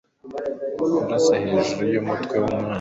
kurasa hejuru y umutwe w umwanzi